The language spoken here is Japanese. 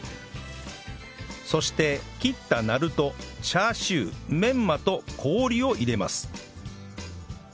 そして切ったなるとチャーシューメンマと氷を入れます